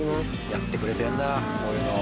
やってくれてんだこういうのを。